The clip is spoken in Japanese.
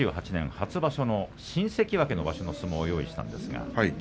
初場所、新関脇の場所の相撲を用意しました。